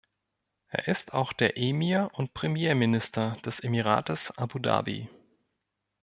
Er ist auch der Emir und Premierminister des Emirates Abu Dhabi.